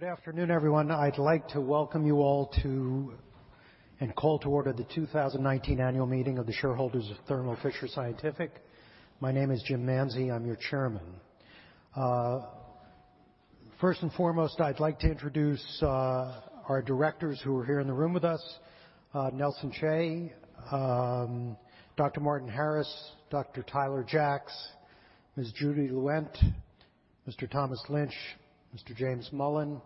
Good afternoon, everyone. I'd like to welcome you all and call to order the 2019 annual meeting of the shareholders of Thermo Fisher Scientific. My name is Jim Manzi, I'm your Chairman. First and foremost, I'd like to introduce our Directors who are here in the room with us, Nelson Chai, Dr. Martin Harris, Dr. Tyler Jacks, Ms. Judy Lewent, Mr. Thomas Lynch, Mr. James Mullen,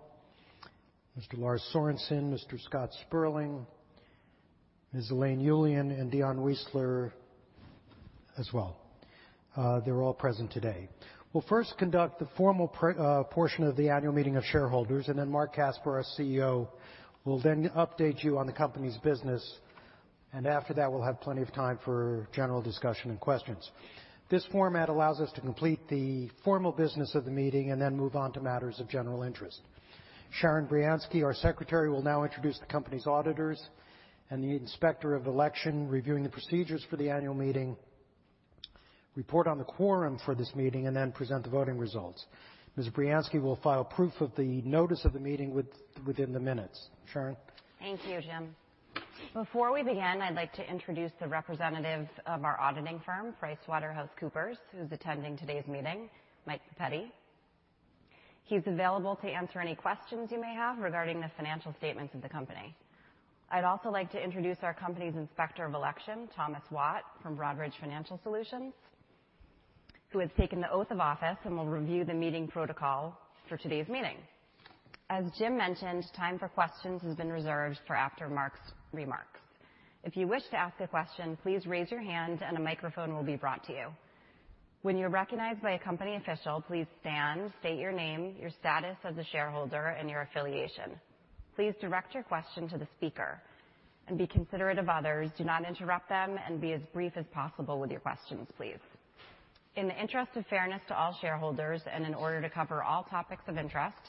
Mr. Lars Sørensen, Mr. Scott Sperling, Ms. Elaine Ullian, and Dion Weisler as well. They're all present today. We'll first conduct the formal portion of the annual meeting of shareholders. Marc Casper, our CEO, will then update you on the company's business. After that, we'll have plenty of time for general discussion and questions. This format allows us to complete the formal business of the meeting and then move on to matters of general interest. Sharon Briansky, our Secretary, will now introduce the company's auditors and the Inspector of the Election, reviewing the procedures for the annual meeting, report on the quorum for this meeting. Then present the voting results. Ms. Briansky will file proof of the notice of the meeting within the minutes. Sharon. Thank you, Jim. Before we begin, I'd like to introduce the representative of our auditing firm, PricewaterhouseCoopers, who's attending today's meeting, Mike Petty. He's available to answer any questions you may have regarding the financial statements of the company. I'd also like to introduce our company's Inspector of Election, Thomas Watt from Broadridge Financial Solutions, who has taken the oath of office and will review the meeting protocol for today's meeting. As Jim mentioned, time for questions has been reserved for after Marc's remarks. If you wish to ask a question, please raise your hand and a microphone will be brought to you. When you're recognized by a company official, please stand, state your name, your status as a shareholder, and your affiliation. Please direct your question to the speaker and be considerate of others. Do not interrupt them. Be as brief as possible with your questions, please. In the interest of fairness to all shareholders and in order to cover all topics of interest,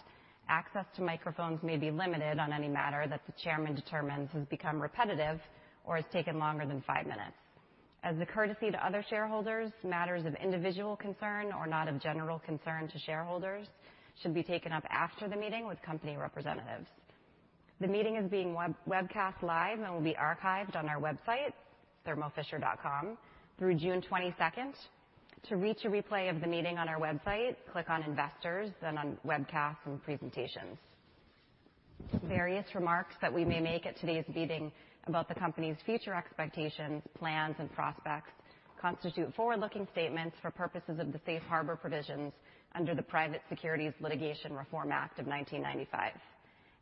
access to microphones may be limited on any matter that the Chairman determines has become repetitive or has taken longer than five minutes. As a courtesy to other shareholders, matters of individual concern or not of general concern to shareholders should be taken up after the meeting with company representatives. The meeting is being webcast live and will be archived on our website, thermofisher.com, through June 22nd. To reach a replay of the meeting on our website, click on Investors. Then on Webcasts and Presentations. Various remarks that we may make at today's meeting about the company's future expectations, plans, and prospects constitute forward-looking statements for purposes of the Safe Harbor provisions under the Private Securities Litigation Reform Act of 1995.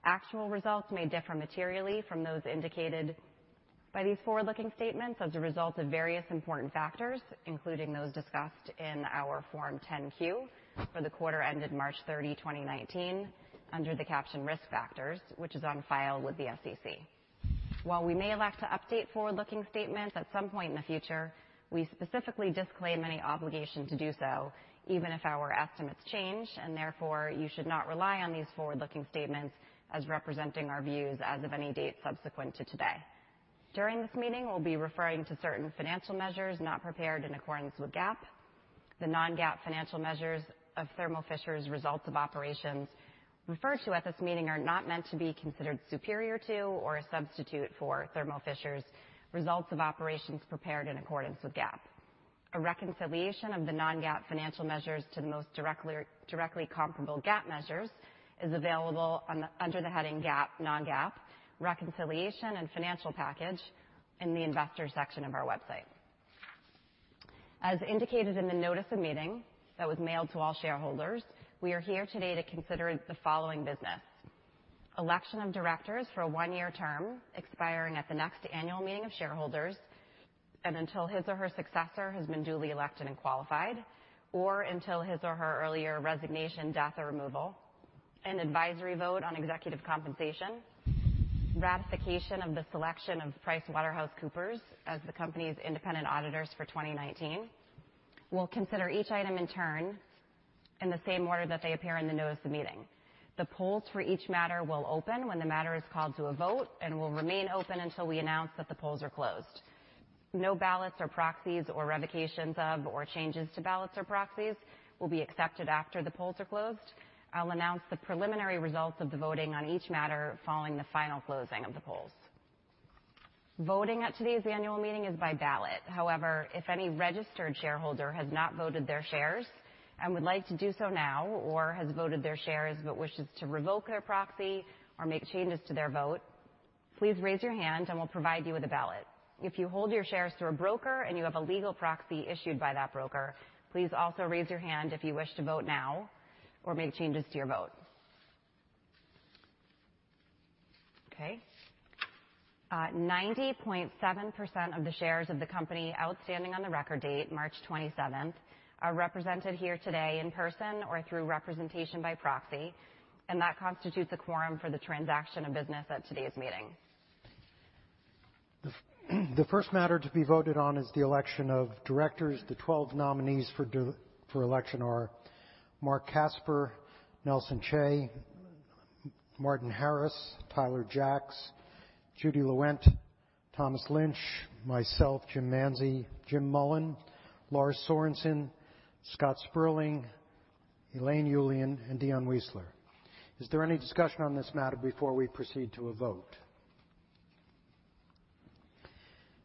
Actual results may differ materially from those indicated by these forward-looking statements as a result of various important factors, including those discussed in our Form 10-Q for the quarter ended March 30, 2019, under the caption Risk Factors, which is on file with the SEC. While we may elect to update forward-looking statements at some point in the future, we specifically disclaim any obligation to do so, even if our estimates change. Therefore, you should not rely on these forward-looking statements as representing our views as of any date subsequent to today. During this meeting, we'll be referring to certain financial measures not prepared in accordance with GAAP. The non-GAAP financial measures of Thermo Fisher's results of operations referred to at this meeting are not meant to be considered superior to or a substitute for Thermo Fisher's results of operations prepared in accordance with GAAP. A reconciliation of the non-GAAP financial measures to the most directly comparable GAAP measures is available under the heading GAAP, non-GAAP, Reconciliation and Financial Package in the Investors section of our website. As indicated in the notice of meeting that was mailed to all shareholders, we are here today to consider the following business: election of directors for a one-year term expiring at the next annual meeting of shareholders and until his or her successor has been duly elected and qualified, or until his or her earlier resignation, death, or removal. An advisory vote on executive compensation. Ratification of the selection of PricewaterhouseCoopers as the company's independent auditors for 2019. We'll consider each item in turn in the same order that they appear in the notice of meeting. The polls for each matter will open when the matter is called to a vote and will remain open until we announce that the polls are closed. No ballots or proxies, or revocations of, or changes to ballots or proxies will be accepted after the polls are closed. I'll announce the preliminary results of the voting on each matter following the final closing of the polls. Voting at today's annual meeting is by ballot. However, if any registered shareholder has not voted their shares and would like to do so now, or has voted their shares but wishes to revoke their proxy or make changes to their vote, please raise your hand and we'll provide you with a ballot. If you hold your shares through a broker and you have a legal proxy issued by that broker, please also raise your hand if you wish to vote now or make changes to your vote. Okay. 90.7% of the shares of the company outstanding on the record date, March 27th, are represented here today in person or through representation by proxy, that constitutes a quorum for the transaction of business at today's meeting. The first matter to be voted on is the election of directors. The 12 nominees for election are Marc Casper, Nelson Chai, Martin Harris, Tyler Jacks, Judy Lewent, Thomas Lynch, myself, Jim Manzi, Jim Mullen, Lars Sørensen, Scott Sperling, Elaine Ullian, and Dion Weisler. Is there any discussion on this matter before we proceed to a vote?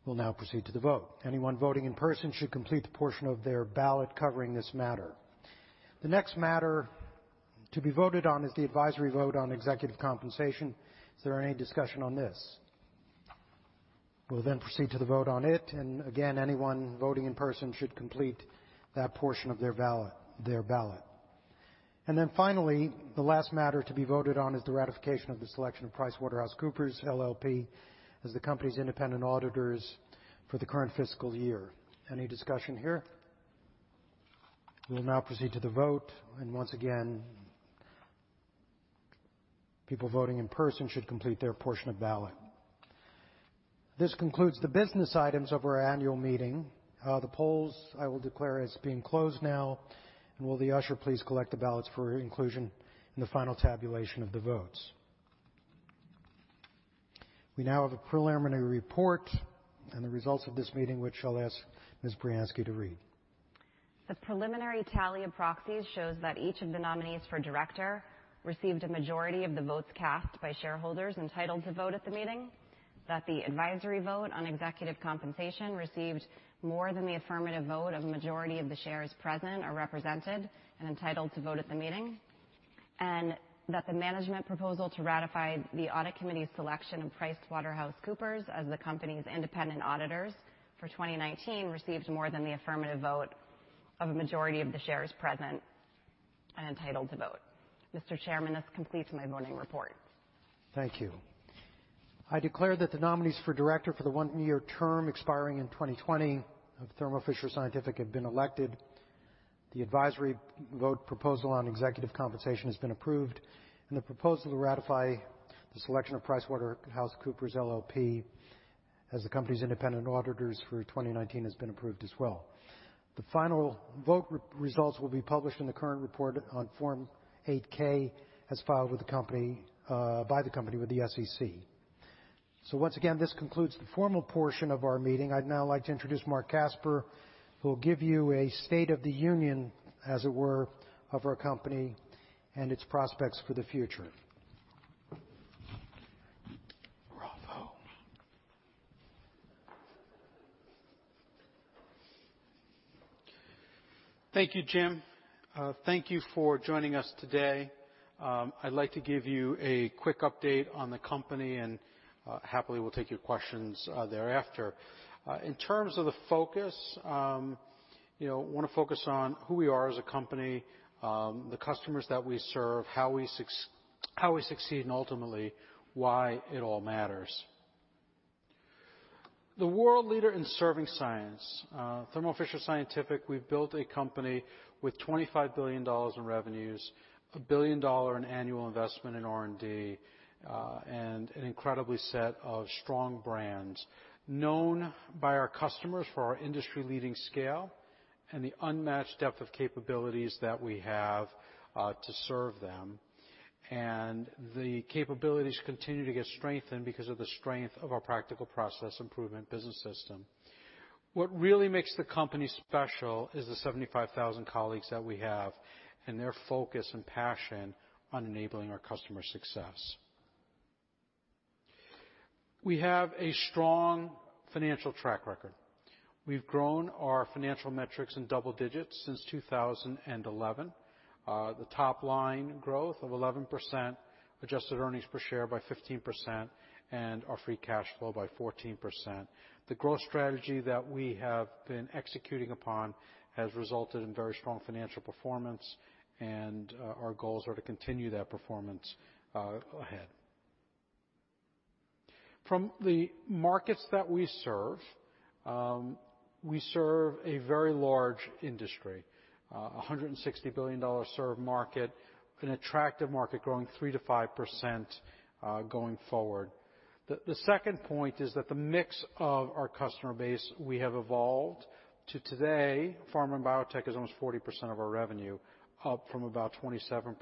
We'll now proceed to the vote. Anyone voting in person should complete the portion of their ballot covering this matter. The next matter to be voted on is the advisory vote on executive compensation. Is there any discussion on this? We'll then proceed to the vote on it, and again, anyone voting in person should complete that portion of their ballot. Finally, the last matter to be voted on is the ratification of the selection of PricewaterhouseCoopers LLP as the company's independent auditors for the current fiscal year. Any discussion here? We will now proceed to the vote. Once again, people voting in person should complete their portion of ballot. This concludes the business items of our annual meeting. The polls, I will declare as being closed now. Will the usher please collect the ballots for inclusion in the final tabulation of the votes. We now have a preliminary report and the results of this meeting, which I'll ask Ms. Briansky to read. The preliminary tally of proxies shows that each of the nominees for director received a majority of the votes cast by shareholders entitled to vote at the meeting, that the advisory vote on executive compensation received more than the affirmative vote of a majority of the shares present or represented and entitled to vote at the meeting, that the management proposal to ratify the audit committee's selection of PricewaterhouseCoopers as the company's independent auditors for 2019 received more than the affirmative vote of a majority of the shares present and entitled to vote. Mr. Chairman, this completes my morning report. Thank you. I declare that the nominees for director for the one-year term expiring in 2020 of Thermo Fisher Scientific have been elected. The advisory vote proposal on executive compensation has been approved. The proposal to ratify the selection of PricewaterhouseCoopers LLP as the company's independent auditors for 2019 has been approved as well. The final vote results will be published in the current report on Form 8-K as filed by the company with the SEC. Once again, this concludes the formal portion of our meeting. I'd now like to introduce Marc Casper, who will give you a state of the union, as it were, of our company and its prospects for the future. Bravo. Thank you, Jim. Thank you for joining us today. I'd like to give you a quick update on the company. Happily, we'll take your questions thereafter. In terms of the focus, I want to focus on who we are as a company, the customers that we serve, how we succeed, and ultimately, why it all matters. The world leader in serving science, Thermo Fisher Scientific, we've built a company with $25 billion in revenues, a $1 billion in annual investment in R&D, and an incredibly set of strong brands known by our customers for our industry-leading scale and the unmatched depth of capabilities that we have to serve them. The capabilities continue to get strengthened because of the strength of our Practical Process Improvement business system. What really makes the company special is the 75,000 colleagues that we have and their focus and passion on enabling our customer success. We have a strong financial track record. We've grown our financial metrics in double digits since 2011. The top line growth of 11%, adjusted earnings per share by 15%, and our free cash flow by 14%. Our goals are to continue that performance ahead. From the markets that we serve, we serve a very large industry, $160 billion served market, an attractive market growing 3%-5% going forward. The second point is that the mix of our customer base we have evolved to today, pharma and biotech is almost 40% of our revenue, up from about 27%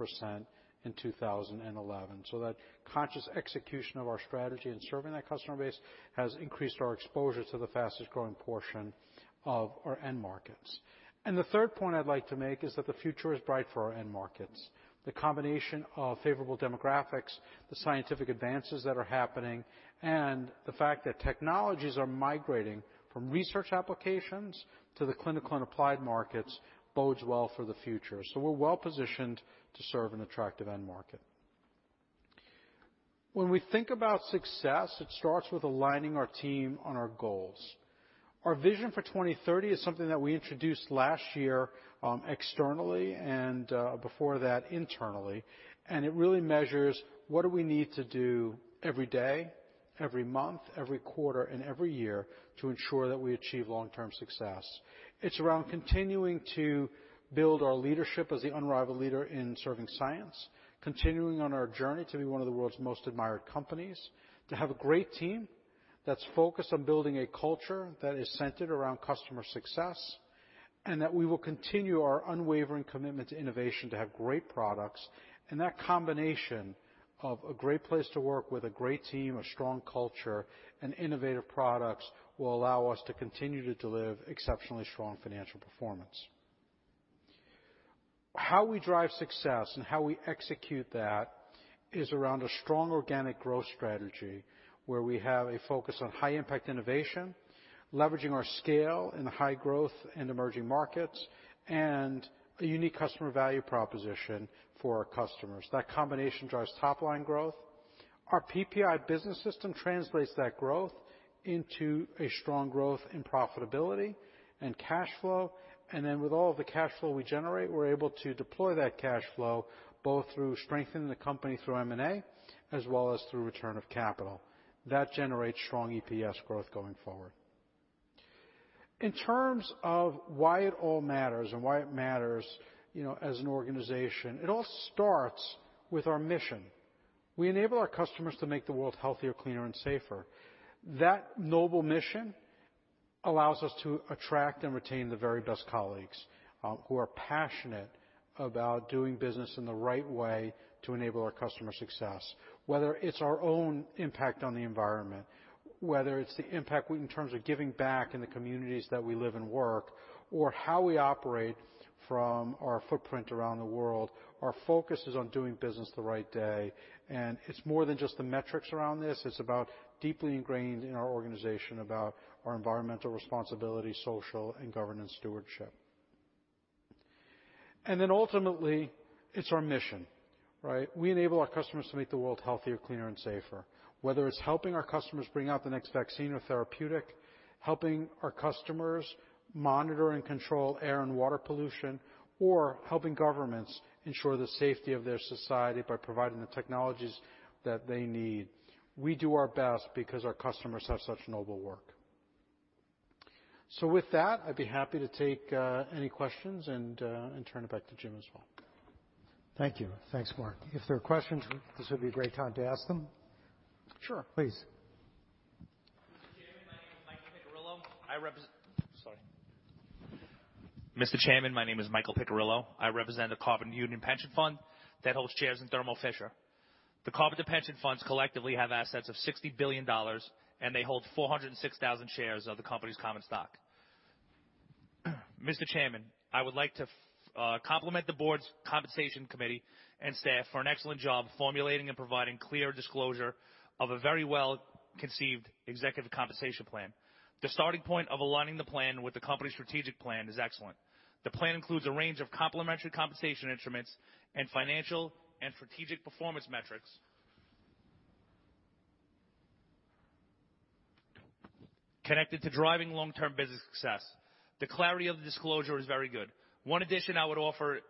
in 2011. That conscious execution of our strategy in serving that customer base has increased our exposure to the fastest-growing portion of our end markets. The third point I'd like to make is that the future is bright for our end markets. The combination of favorable demographics, the scientific advances that are happening, and the fact that technologies are migrating from research applications to the clinical and applied markets bodes well for the future. We're well-positioned to serve an attractive end market. When we think about success, it starts with aligning our team on our goals. Our vision for 2030 is something that we introduced last year externally, before that internally. It really measures what do we need to do every day, every month, every quarter, and every year to ensure that we achieve long-term success. It's around continuing to build our leadership as the unrivaled leader in serving science, continuing on our journey to be one of the world's most admired companies, to have a great team that's focused on building a culture that is centered around customer success. That we will continue our unwavering commitment to innovation to have great products. That combination of a great place to work with a great team, a strong culture, and innovative products will allow us to continue to deliver exceptionally strong financial performance. How we drive success and how we execute that is around a strong organic growth strategy, where we have a focus on high-impact innovation, leveraging our scale in high-growth and emerging markets, and a unique customer value proposition for our customers. That combination drives top line growth. Our PPI business system translates that growth into a strong growth in profitability and cash flow. With all the cash flow we generate, we're able to deploy that cash flow both through strengthening the company through M&A, as well as through return of capital. That generates strong EPS growth going forward. In terms of why it all matters and why it matters as an organization, it all starts with our mission. We enable our customers to make the world healthier, cleaner and safer. That noble mission allows us to attract and retain the very best colleagues who are passionate about doing business in the right way to enable our customer success, whether it's our own impact on the environment, whether it's the impact in terms of giving back in the communities that we live and work, or how we operate from our footprint around the world. Our focus is on doing business the right way, and it's more than just the metrics around this. It's about deeply ingrained in our organization, about our environmental responsibility, social and governance stewardship. Ultimately, it's our mission. We enable our customers to make the world healthier, cleaner and safer. Whether it's helping our customers bring out the next vaccine or therapeutic, helping our customers monitor and control air and water pollution, or helping governments ensure the safety of their society by providing the technologies that they need. We do our best because our customers have such noble work. With that, I'd be happy to take any questions and turn it back to Jim as well. Thank you. Thanks, Marc. If there are questions, this would be a great time to ask them. Sure. Please. Mr. Chairman, my name is Michael Piccirillo. I represent the Carbon Union Pension Fund that holds shares in Thermo Fisher. The Carbon Union Pension funds collectively have assets of $60 billion, and they hold 406,000 shares of the company's common stock. Mr. Chairman, I would like to compliment the board's compensation committee and staff for an excellent job formulating and providing clear disclosure of a very well-conceived executive compensation plan. The starting point of aligning the plan with the company's strategic plan is excellent. The plan includes a range of complementary compensation instruments and financial and strategic performance metrics connected to driving long-term business success. The clarity of the disclosure is very good. One addition I would offer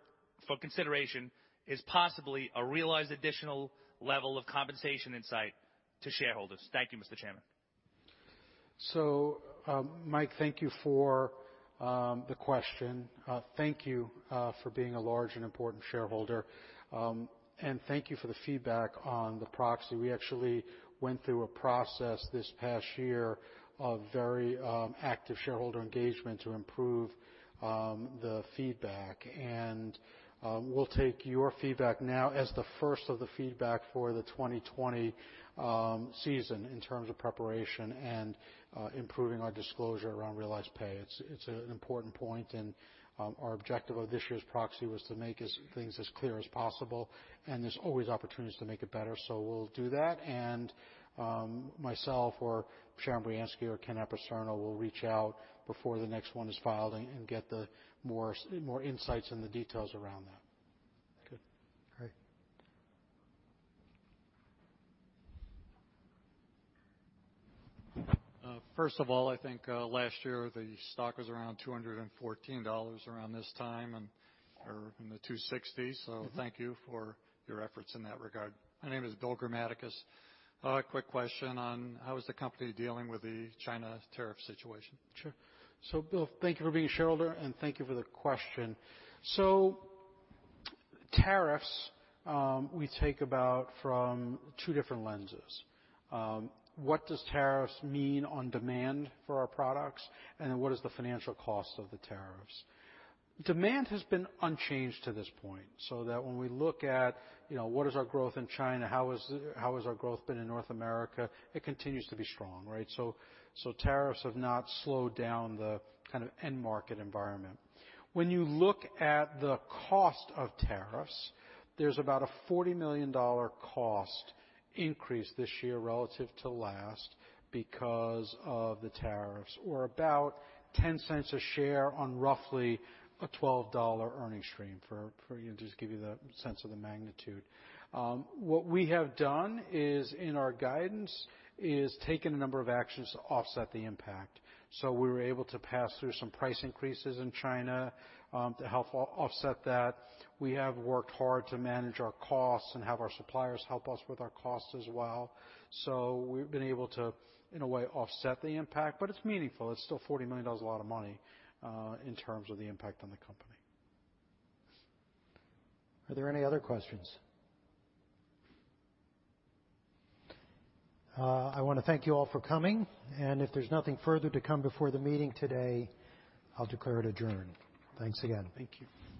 for consideration is possibly a realized additional level of compensation insight to shareholders. Thank you, Mr. Chairman. Mike, thank you for the question. Thank you for being a large and important shareholder. Thank you for the feedback on the proxy. We actually went through a process this past year of very active shareholder engagement to improve the feedback. We'll take your feedback now as the first of the feedback for the 2020 season in terms of preparation and improving our disclosure around realized pay. It is an important point, and our objective of this year's proxy was to make things as clear as possible, and there is always opportunities to make it better. We'll do that, and myself or Sharon Briansky or Ken Apicerno will reach out before the next one is filed and get more insights and the details around that. Good. Great. First of all, I think last year the stock was around $214 around this time or in the $260s. Thank you for your efforts in that regard. My name is Bill Gramaticus. A quick question on how is the company dealing with the China tariff situation? Sure. Bill, thank you for being a shareholder, and thank you for the question. Tariffs, we take about from two different lenses. What does tariffs mean on demand for our products, and then what is the financial cost of the tariffs? Demand has been unchanged to this point, that when we look at what is our growth in China, how has our growth been in North America, it continues to be strong. Right? Tariffs have not slowed down the kind of end market environment. When you look at the cost of tariffs, there is about a $40 million cost increase this year relative to last because of the tariffs, or about $0.10 a share on roughly a $12 earning stream, for you, just give you the sense of the magnitude. What we have done is in our guidance is taken a number of actions to offset the impact. We were able to pass through some price increases in China to help offset that. We have worked hard to manage our costs and have our suppliers help us with our costs as well. We've been able to, in a way, offset the impact. It's meaningful. It's still $40 million is a lot of money in terms of the impact on the company. Are there any other questions? I want to thank you all for coming. If there's nothing further to come before the meeting today, I'll declare it adjourned. Thanks again. Thank you.